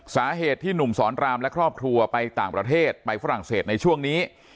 สาเหตุที่หนุ่มสอนรามและครอบครัวไปต่างประเทศไปฝรั่งเศสในช่วงนี้